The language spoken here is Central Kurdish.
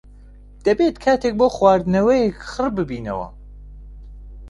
دەبێت کاتێک بۆ خواردنەوەیەک خڕببینەوە.